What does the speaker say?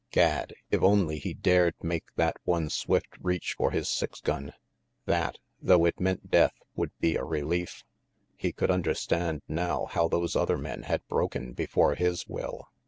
Gad, if only he dared make that one swift reach for his six gun. That, though it meant death, would be a relief. He could understand now how those other men had broken before his will.